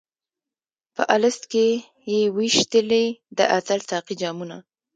په الست کي یې وېشلي د ازل ساقي جامونه